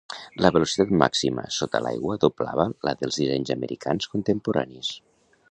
La velocitat màxima sota l'aigua doblava la dels dissenys americans contemporanis.